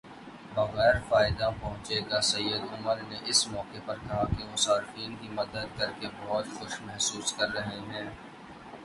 بغیر فائدہ پہنچے گا سید عمر نے اس موقع پر کہا کہ وہ صارفین کی مدد کرکے بہت خوشی محسوس کر رہے ہیں